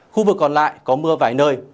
khu vực còn lại có mưa vài nơi